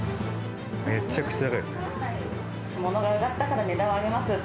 めちゃくちゃ高いですね。